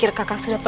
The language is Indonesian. tidak ada apa